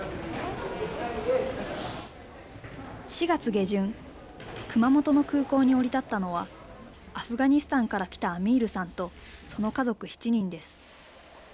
４月下旬熊本の空港に降り立ったのはアフガニスタンから来たアミールさんとその家族７人です。